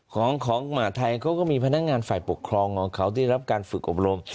ของหมาไทยเขาก็มีพนักงานฝ่ายปกครองของเขาที่รับการฝึกอบรม